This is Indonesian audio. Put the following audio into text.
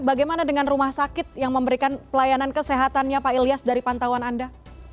bagaimana dengan rumah sakit yang memberikan pelayanan kesehatannya pak ilyas dari pantauan anda